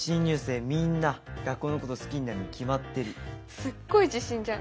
すっごい自信じゃん。